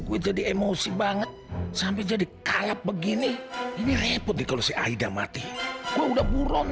gue jadi emosi banget sampai jadi kalap begini ini repot nih kalau si aida mati gue udah buron